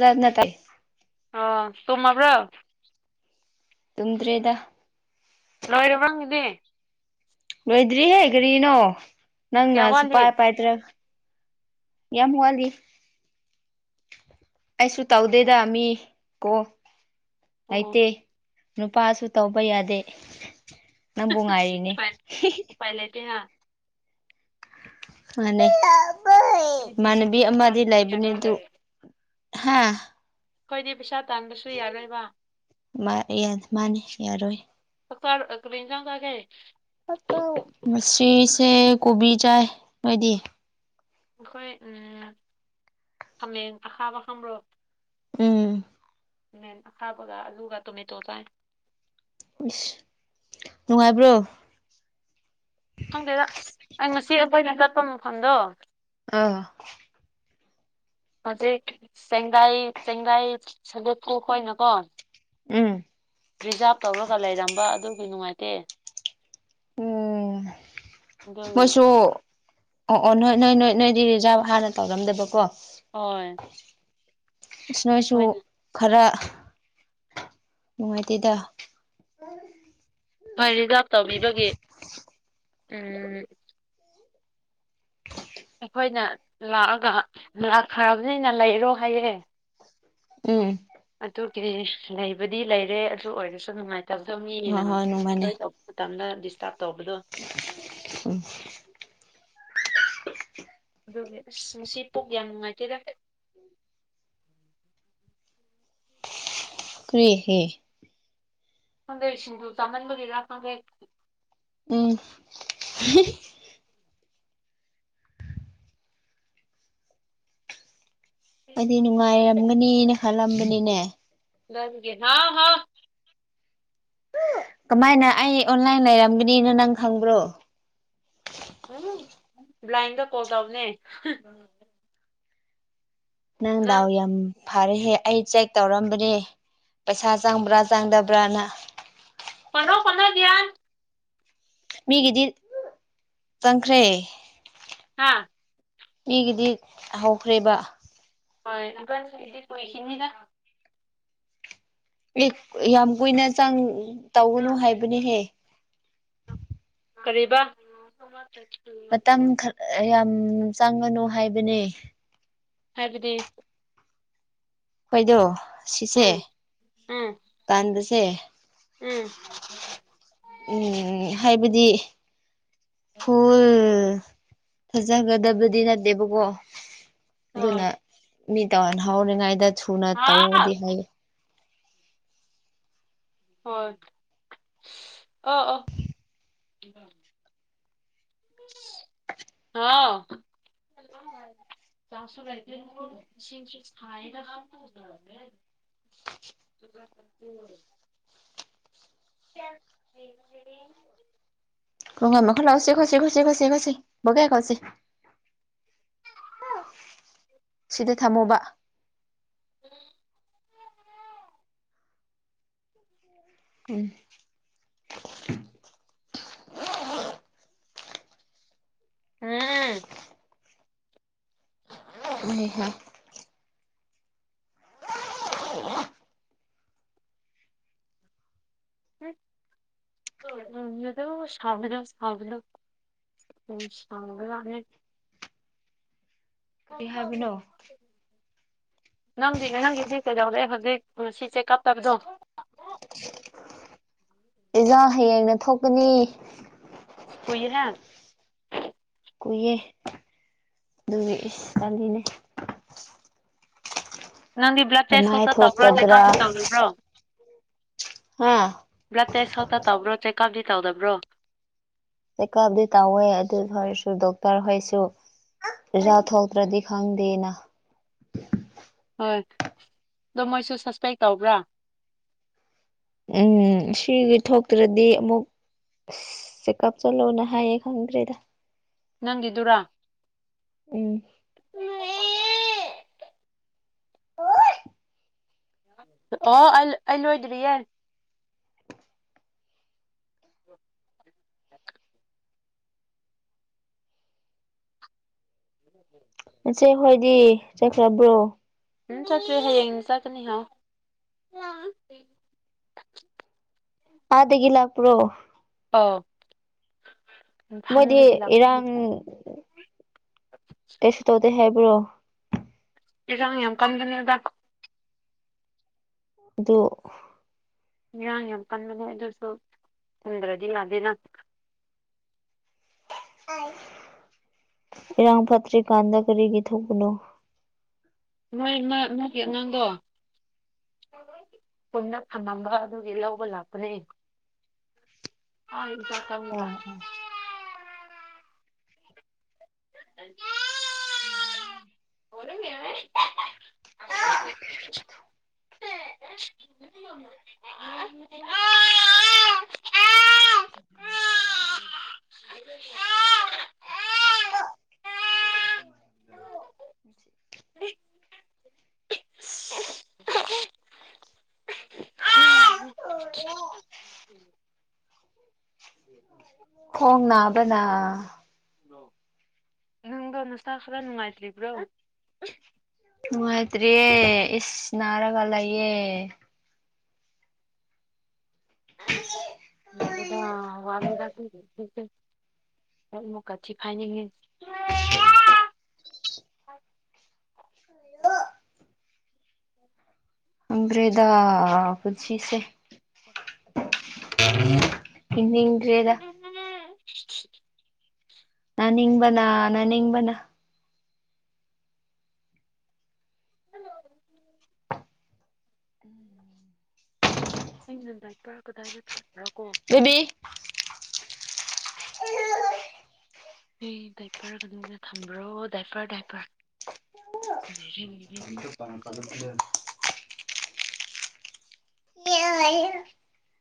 ꯂꯟꯅ ꯇꯥꯏ ꯑꯣ ꯇꯨꯝꯃꯕ꯭ꯔꯣ ꯇꯨꯝꯗ꯭ꯔꯤꯗ ꯂꯣꯏꯔꯕ ꯅꯪꯒꯤꯗꯤ ꯂꯣꯏꯗ꯭ꯔꯤꯍꯦ ꯀꯔꯤꯅꯣ ꯅꯪꯅ ꯀꯌꯥ ꯋꯥꯠꯂꯤ ꯁꯨꯄꯥꯏ ꯄꯥꯏꯗ꯭ꯔ ꯌꯥꯝ ꯋꯥꯠꯂꯤ ꯑꯩꯁꯨ ꯇꯧꯗꯦꯗ ꯃꯤ ꯀꯣꯜ ꯑꯣ ꯂꯩꯇꯦ ꯅꯨꯄꯥꯁꯨ ꯇꯧꯕ ꯌꯥꯗꯦ ꯅꯪꯕꯨ ꯉꯥꯢꯔꯤꯅꯦ [unintelligible] ꯐꯥꯏ ꯎꯄꯥꯏ ꯂꯩꯇꯦ ꯍꯥ ꯅꯅꯦ [unintelligible] [unintelligible] ꯑꯩꯈꯣꯏꯗꯤ ꯃꯥꯟꯅꯕꯤ ꯄꯩꯁꯥ ꯑꯃꯗꯤ ꯇꯥꯟꯕꯁꯨ ꯂꯩꯕꯅꯦ ꯌꯥꯔꯣꯏ ꯗꯨ ꯍꯥ ꯈꯣꯢꯗꯤ ꯄꯩꯁꯥ ꯇꯥꯟꯕꯁꯨ ꯌꯥꯔꯣꯏꯕ ꯃꯥ ꯌꯥꯅꯤ ꯃꯥꯅꯦ ꯌꯥꯔꯣꯏ ꯑꯄꯔꯣ ꯑ ꯀꯔꯤ ꯑꯦꯟꯖꯥꯡ ꯆꯥꯒꯦ [unintelligible] ꯉꯁꯤꯁꯦ ꯀꯣꯕꯤ ꯆꯥꯏ ꯅꯣꯢꯗꯤ ꯑꯈꯣꯏ ꯑꯝ ꯈꯥꯃꯦꯟ ꯑꯈꯥꯕ ꯈꯪꯕ꯭ꯔꯣ ꯎꯝ ꯃꯦꯟ ꯑꯈꯥꯕꯒ ꯑꯂꯨꯒ ꯇꯣꯃꯦꯇꯣ ꯆꯥꯢ ꯏꯁ ꯅꯨꯡꯉꯥꯏꯕ꯭ꯔꯣ ꯄꯣꯠ ꯃꯐꯝꯗꯣ ꯑꯥ ꯍꯧꯖꯤꯛ ꯆꯦꯡꯗꯥꯏ ꯆꯦꯡꯗꯥꯏ ꯁꯥꯒꯨꯠꯄꯨꯈꯣꯏꯅꯀꯣ ꯎꯝ ꯔꯤꯖꯥꯞ ꯇꯧꯔꯒ ꯂꯩꯔꯝꯕ ꯑꯗꯨꯒꯤ ꯅꯨꯡꯉꯥꯏꯇꯦ ꯎꯝ ꯑꯗꯨꯒꯤ ꯃꯣꯢꯁꯨ ꯑꯣ ꯑꯣ ꯅꯣꯏ ꯅꯣꯏ ꯅꯣꯏ ꯅꯣꯏꯗꯤ ꯔꯤꯖꯥꯕ ꯍꯥꯟꯅ ꯇꯧꯔꯝꯗꯕꯀꯣ ꯍꯣꯢ ꯏꯁ ꯅꯣꯏꯁꯨ ꯈꯔ ꯅꯨꯡꯉꯥꯏꯇꯦꯗ ꯍꯣꯏ ꯔꯤꯖꯥꯕ ꯇꯧꯕꯤꯕꯒꯤ ꯎꯝ ꯑꯩꯈꯣꯏꯅ ꯂꯥꯛꯑꯒ ꯂꯥꯛꯈ꯭ꯔꯝꯅꯤꯅ ꯂꯩꯔꯣ ꯍꯥꯏꯌꯦ ꯎꯝ ꯀ꯭ꯔꯤ ꯂꯩꯕꯗꯤ ꯂꯩꯔꯦ ꯑꯗꯨ ꯑꯣꯏꯔꯁꯨ ꯅꯨꯡꯉꯥꯏ ꯇꯕꯗꯣ ꯃꯤ ꯍꯣꯏ ꯌꯥꯝ ꯍꯣꯏ ꯅꯣꯡꯃꯅꯦ ꯅꯣꯢ ꯇꯧꯕ ꯃꯇꯝꯗ ꯗꯤꯁꯇꯔꯕ ꯇꯧꯕꯗꯣ ꯎꯝ [inaudible] ꯑꯗꯨꯒꯤ ꯑꯁ ꯉꯁꯤ ꯄꯨꯛ ꯌꯥꯝ ꯅꯨꯡꯉꯥꯏꯇꯦꯗ ꯀ꯭ꯔꯤ ꯍꯦ ꯈꯪꯗꯦ ꯁꯤꯡꯖꯨ ꯆꯥꯃꯟꯕꯒꯤꯔ ꯈꯪꯍꯦꯟ ꯎꯝ [unintelligible] ꯑꯩꯗꯤ ꯅꯨꯡꯉꯥꯏꯔꯝꯒꯅꯤꯅ ꯈꯜꯂꯝꯕꯅꯤꯅꯦ ꯂꯟꯒꯦ ꯅꯥ ꯍꯥꯎ ꯀꯃꯥꯏꯅ ꯑꯩ ꯑꯣꯟꯂꯥꯏꯟ ꯂꯩꯔꯝꯒꯅꯤꯅ ꯅꯪ ꯈꯪꯕ꯭ꯔꯣ ꯑꯝ ꯕ꯭ꯂꯥꯏꯟꯗ ꯀꯣꯜ ꯇꯧꯕꯅꯦ ꯅꯪ ꯗꯥꯎ ꯌꯥꯝ ꯐꯔꯦꯍꯦ ꯑꯩ ꯆꯦꯛ ꯇꯧꯔꯝꯕꯅꯦ ꯄꯩꯁꯥ ꯆꯪꯕ꯭ꯔꯥ ꯆꯪꯗꯕ꯭ꯔꯥꯅ ꯄꯅꯣ ꯄꯅꯣ ꯗꯤꯌꯥꯟ ꯃꯤꯒꯤꯗꯤ ꯆꯪꯈ꯭ꯔꯦ ꯍꯥꯥ ꯃꯤꯒꯤꯗꯤ ꯍꯧꯈ꯭ꯔꯦꯕ ꯍꯣꯏ ꯏꯕꯥꯅꯤꯒꯤꯗꯤ ꯀꯨꯏꯈꯤꯅꯤꯗ ꯒꯤ ꯌꯥꯝ ꯀꯨꯏꯅ ꯆꯪ ꯇꯧꯒꯅꯨ ꯍꯥꯏꯕꯅꯤꯍꯦ ꯀꯔꯤꯕ ꯃꯇꯝ ꯈꯔ ꯌꯥꯝ ꯆꯪꯒꯅꯨ ꯍꯥꯏꯕꯅꯦ ꯍꯥꯏꯕꯗꯤ ꯍꯣꯏꯗꯣ ꯎꯝ ꯁꯤꯁꯦ ꯎꯝ ꯇꯥꯟꯕꯁꯦ ꯎꯝ ꯎꯝ ꯍꯥꯏꯕꯗꯤ ꯍꯥꯎ ꯐꯨꯜ ꯐꯖꯒꯗꯕꯗꯤ ꯅꯠꯇꯦꯕꯀꯣ ꯑꯗꯨꯅ ꯃꯤ ꯇꯧꯅꯍꯧꯔꯤꯉꯩꯗ ꯊꯨꯅ ꯇꯧꯑꯣꯗꯤ ꯍꯥꯏꯌꯦ ꯍꯣꯏ ꯑꯣ ꯑꯣ ꯍꯥꯎ ꯆꯥꯁꯨ ꯂꯩꯇꯦ ꯏꯁꯤꯡꯁꯨ ꯁꯥꯏꯌꯦꯗꯥ [unintelligible] [unintelligible] [unintelligible] ꯁꯤꯗ ꯊꯝꯃꯣꯕ [unintelligible] ꯎꯝ ꯎꯝ ꯎꯝ ꯍꯩꯍꯥ [inaudible] ꯅꯗꯨ ꯁꯥꯎꯕꯗꯣ ꯁꯥꯎꯕꯗꯣ ꯌꯥꯝ ꯁꯥꯎꯒ꯭ꯔꯖꯥꯠꯅꯦ ꯀꯔꯤ ꯍꯥꯏꯕꯅꯣ ꯅꯪꯗꯤ ꯅꯪꯒꯤꯗꯤ ꯀꯩꯗꯧꯔꯦ ꯍꯧꯖꯤꯛ ꯉꯁꯤ ꯆꯦꯀꯞ ꯇꯕꯗꯣ ꯏꯟꯖꯥꯡ ꯍꯌꯦꯡꯅ ꯊꯣꯛꯀꯅꯤ ꯀꯨꯏꯍꯦ ꯀꯨꯏꯌꯦ ꯑꯗꯨꯒꯤ ꯇꯟꯂꯤꯅꯦ ꯅꯪꯗꯤ ꯕ꯭ꯂꯗ ꯇꯦꯁ ꯈꯛꯇ ꯇꯧꯕ꯭ꯔꯣ ꯆꯦꯛ ꯊꯣꯛꯀꯗ꯭ꯔꯥ ꯀꯥꯞꯗꯤ ꯇꯧꯒꯤꯕ꯭ꯔꯣ ꯍꯥ ꯕ꯭ꯂꯗ ꯇꯦꯁ ꯈꯛꯇ ꯇꯧꯕ꯭ꯔꯣ ꯆꯦꯛ ꯀꯞꯗꯤ ꯇꯧꯗꯕ꯭ꯔꯣ ꯆꯦꯛꯀꯥꯞꯗꯤ ꯇꯧꯋꯦ ꯑꯗꯨ ꯑꯣꯏꯔꯁꯨ ꯗꯣꯛꯇꯔ ꯍꯣꯏꯁꯨ ꯖꯥ ꯊꯣꯛꯇ꯭ꯔꯗꯤ ꯈꯪꯗꯦꯅ ꯍꯣꯏ ꯑꯗꯣ ꯃꯣꯏꯁꯨ ꯁ꯭ꯁꯄꯦꯛ ꯇꯧꯕ꯭ꯔꯥ ꯎꯝ ꯁꯤꯒꯤ ꯊꯣꯛꯇ꯭ꯔꯗꯤ ꯑꯃꯨꯛ ꯆꯦꯛꯀꯞ ꯆꯠꯂꯣꯅ ꯍꯥꯏꯌꯦ ꯈꯪꯗ꯭ꯔꯦꯗꯥ ꯅꯪꯒꯤꯗꯨꯔ ꯎꯝ ꯑꯣ ꯑꯩ ꯑꯩ ꯂꯣꯏꯗ꯭ꯔꯤꯌꯦ [inaudible] ꯆꯦ ꯍꯣꯏꯗꯤ ꯆꯠꯈ꯭ꯔꯕ꯭ꯔꯣ ꯎꯝ ꯆꯠꯇ꯭ꯔꯤ ꯍꯌꯦꯡ ꯆꯠꯀꯅꯤ ꯍꯥꯏ ꯑꯥꯗꯒꯤ ꯂꯥꯛꯄ꯭ꯔꯣ ꯑꯥꯎ ꯃꯣꯏꯗꯤ ꯏꯔꯥꯡ ꯀꯁꯨ ꯇꯧꯗꯦ ꯍꯥꯏꯕ꯭ꯔꯣ ꯏꯔꯥꯡ ꯌꯥꯝ ꯀꯝꯕꯅꯦꯗ ꯑꯗꯨ ꯢꯔꯥꯡ ꯌꯥꯝ ꯀꯟꯕꯅꯦ ꯑꯗꯨꯁꯨ ꯈꯟꯗ꯭ꯔꯗꯤ ꯌꯥꯗꯦꯅ ꯑꯩ ꯏꯔꯥꯡ ꯄꯠꯇ꯭ꯔꯤꯀꯥꯟꯗ ꯀꯔꯤꯒꯤ ꯊꯣꯛꯄꯅꯣ ꯅꯣꯏꯃ ꯅꯣꯢꯒꯤ ꯑꯉꯥꯡꯗꯣ ꯄꯨꯟꯅ ꯐꯝꯃꯝꯕ ꯑꯗꯨꯒꯤ ꯂꯧꯕ ꯂꯥꯛꯄꯅꯦ [unintelligible] [unintelligible] [unintelligible] [unintelligible] [unintelligible] [unintelligible] [unintelligible] ꯈꯣꯡꯅꯥꯕꯅ ꯅꯪꯗꯣ ꯅꯁꯥ ꯈꯔ ꯅꯨꯡꯉꯥꯏꯇ꯭ꯔꯤꯕ꯭ꯔꯣ ꯃꯅꯨꯡꯥꯏꯇ꯭ꯔꯤꯌꯦ ꯏꯁ ꯅꯔꯒ ꯂꯩꯌꯦ [unintelligible] ꯈꯪꯗ꯭ꯔꯦꯗ ꯋꯥꯔꯦꯗ ꯑꯩꯈꯣꯏꯒꯤ ꯑꯃꯨꯛꯀ ꯊꯤ ꯐꯥꯏꯅꯤꯡꯉꯦ [unintelligible] [unintelligible] ꯈꯪꯗ꯭ꯔꯦꯗ ꯄꯨꯟꯁꯤꯁꯦ [unintelligible] [inaudible] ꯍꯤꯡꯅꯤꯡꯗ꯭ꯔꯦꯗ [inaudible] ꯅꯤꯡꯕꯅ ꯅꯅꯤꯡꯕꯅ ꯑꯩꯅ ꯗꯥꯏꯄꯔ ꯀꯗꯥꯏꯗ ꯊꯥꯝꯕ꯭ꯔꯥ ꯀꯣ ꯕꯦꯕꯤ [unintelligible] ꯁꯤ ꯗꯥꯏꯄꯔ ꯀꯩꯅꯣꯗ ꯊꯝꯕ꯭ꯔꯣ ꯗꯥꯏꯄꯔ ꯗꯥꯏꯄꯔ ꯂꯩꯔꯦ ꯂꯩꯔꯦ [unintelligible] [unintelligible]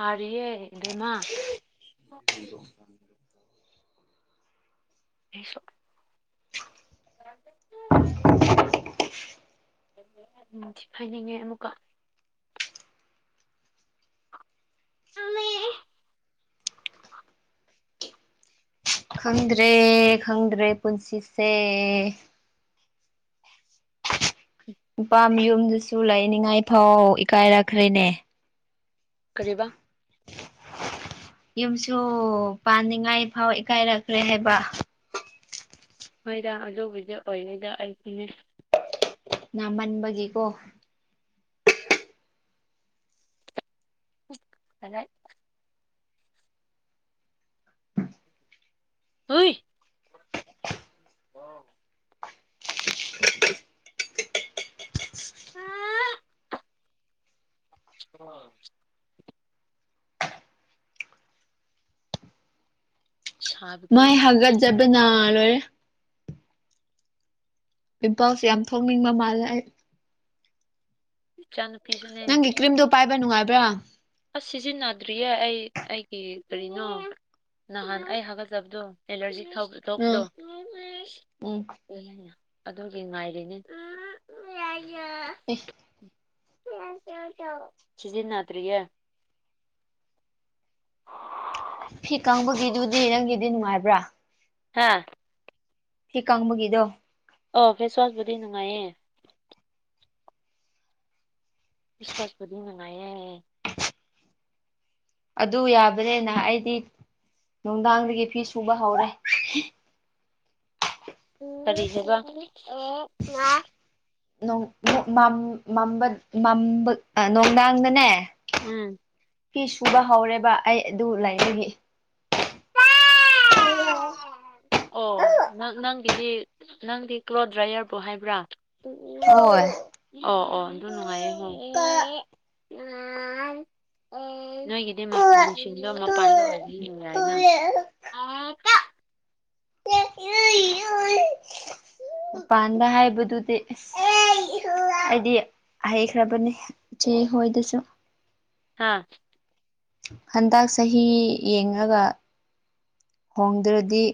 ꯍꯥꯔꯤꯑꯦ ꯏꯕꯦꯝꯃ ꯏꯁꯣ [unintelligible] ꯃꯊꯤ ꯐꯥꯢꯅꯤꯡꯉꯦ ꯑꯃꯨꯛꯀ [unintelligible] ꯈꯪꯗ꯭ꯔꯦ ꯈꯪꯗ꯭ꯔꯦ ꯄꯨꯟꯁꯤꯁꯦ [unintelligible] ꯅꯨꯄꯥ ꯃꯌꯨꯝꯗꯨꯁꯨ ꯂꯩꯅꯤꯡꯉꯥꯏ ꯐꯥꯎ ꯏꯀꯥꯏꯔꯛꯈ꯭ꯔꯦꯅꯦ ꯀꯔꯤꯕ [inaudible] ꯌꯨꯝꯁꯨ ꯄꯥꯟꯅꯤꯡꯉꯥꯏ ꯐꯥꯎ ꯏꯀꯥꯏꯔꯛꯈ꯭ꯔꯦ ꯍꯥꯏꯕ ꯍꯣꯏꯗ ꯑꯗꯨꯕꯨꯗꯤ ꯑꯣꯏꯉꯩꯗ ꯑꯩꯁꯨꯅꯦ ꯅꯃꯟꯕꯒꯤ ꯀꯣ [unintelligible] ꯍꯨꯢ [unintelligible] [unintelligible] ꯁꯥꯕꯗꯣ ꯃꯥꯏ ꯁꯥꯕꯗꯣ ꯍꯒꯠ ꯖꯕꯅ ꯂꯣꯏꯔꯦ ꯄꯤꯝꯄꯜꯁ ꯌꯥꯝ ꯊꯣꯛꯅꯤꯡꯕ ꯃꯥꯜꯂꯦ ꯑꯩ ꯏꯆꯥꯅꯨꯨꯄꯤꯁꯨꯅꯦ ꯅꯪꯒꯤ ꯀ꯭ꯔꯤꯝꯗꯣ ꯄꯥꯏꯕ ꯅꯨꯡꯉꯥꯏꯕ꯭ꯔꯥ ꯑꯁ ꯁꯤꯖꯤꯟꯅꯗ꯭ꯔꯤꯌꯦ ꯑꯩ ꯑꯩꯒꯤ ꯀꯔꯤꯅꯣ ꯅꯍꯥꯟ ꯑꯩ ꯍꯒꯠꯆꯕꯗꯨ ꯑꯦꯂꯔꯖꯤ ꯊꯧ ꯄꯨꯊꯣꯞꯄꯗꯣ ꯎꯝ ꯎꯝ [unintelligible] ꯑꯗꯨꯒꯤ ꯉꯥꯏꯔꯤꯅꯦ [unintelligible] ꯑꯩꯁ [unintelligible] ꯁꯤꯖꯤꯟꯅꯗ꯭ꯔꯤꯌꯦ ꯐꯤ ꯀꯪꯕꯒꯤꯗꯨꯗꯤ ꯅꯪꯒꯤꯗꯤ ꯅꯨꯡꯉꯥꯏꯕ꯭ꯔꯥ ꯍꯥꯥ ꯐꯤ ꯀꯪꯕꯒꯤꯗꯣ ꯑꯣ ꯐꯦꯁꯋꯥꯁꯕꯨꯗꯤ ꯅꯨꯡꯉꯥꯏꯌꯦ ꯐꯦꯁ ꯋꯥꯁꯄꯨꯗꯤ ꯅꯨꯡꯉꯥꯏꯌꯦ ꯑꯗꯨ ꯌꯥꯕꯅꯦꯅ ꯑꯩꯗꯤ ꯅꯨꯡꯗꯥꯡꯗꯒꯤ ꯐꯤ ꯁꯨꯕ ꯍꯧꯔꯦ ꯀꯔꯤ ꯍꯥꯏꯕ ꯅꯣꯡ ꯑꯃꯨꯛ ꯃꯝ ꯃꯝꯕ ꯅꯨꯡꯗꯥꯡꯗꯅꯦ ꯎꯝ ꯐꯤ ꯁꯨꯕ ꯍꯧꯔꯦꯕ ꯑꯩ ꯑꯗꯨ ꯂꯩꯥꯕꯒꯤ [unintelligible] ꯑꯣ ꯅꯪ ꯅꯪꯒꯤꯗꯤ ꯅꯪꯗꯤ ꯀ꯭ꯂꯣꯠ ꯗ꯭ꯔꯥꯏꯌꯔꯕꯨ ꯍꯥꯏꯕ꯭ꯔꯥ ꯑꯣ ꯑꯣ ꯑꯗꯨ ꯅꯨꯡꯉꯥꯏꯌꯦ ꯍꯣ [unintelligible] ꯅꯣꯏꯒꯤꯗꯤ ꯃꯞ ꯃꯦꯁꯤꯟꯗꯣ ꯃꯄꯥꯟꯗ ꯑꯣꯏꯕꯅꯤ ꯅꯨꯡꯉꯥꯏꯌꯦꯅ [unintelligible] ꯃꯄꯥꯟꯗ ꯍꯥꯏꯕꯗꯨꯗꯤ ꯏꯁ ꯍꯥꯏꯗꯤ ꯍꯩꯈ꯭ꯔꯕꯅꯦ ꯏꯆꯦ ꯆꯦ ꯍꯣꯏꯗꯁꯨ ꯍꯥꯥ ꯍꯟꯗꯛ ꯆꯍꯤ ꯌꯦꯡꯉꯒ ꯍꯣꯡꯗ꯭ꯔꯗꯤ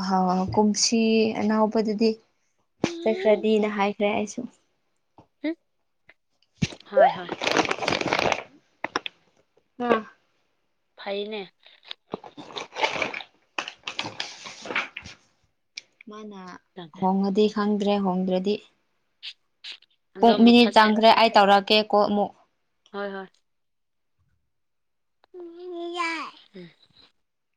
ꯑꯍꯧ ꯍꯧ ꯀꯨꯝꯁꯤ ꯑꯅꯥꯎꯕꯗꯗꯤ ꯆꯠꯈ꯭ꯔꯗꯤꯅ ꯍꯥꯏꯈ꯭ꯔꯦ ꯑꯩꯁꯨ ꯍꯨꯝ ꯍꯣꯏ ꯍꯣꯏ [inaudible] ꯑꯥ ꯐꯩꯅꯦ ꯃꯥꯅ ꯍꯣꯡꯉꯗꯤ ꯈꯪꯗ꯭ꯔꯦ ꯍꯣꯡꯗ꯭ꯔꯗꯤ ꯑꯗꯣ ꯄꯨꯡ ꯃꯤꯅꯤꯠ ꯃꯨꯠꯊꯠꯁꯦ ꯆꯪꯈ꯭ꯔꯦ ꯑꯩ ꯇꯧꯔꯛꯀꯦ ꯀꯣ ꯑꯃꯨꯛ ꯍꯣꯏ ꯍꯣꯏ [unintelligible]